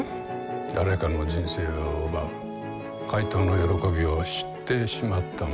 誰かの人生を奪う怪盗の喜びを知ってしまった者。